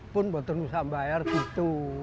pun baru bisa bayar gitu